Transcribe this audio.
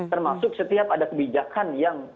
termasuk setiap ada kebijakan yang